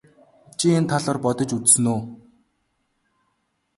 Чи энэ талаар бодож үзсэн үү?